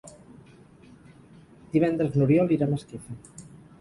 Divendres n'Oriol irà a Masquefa.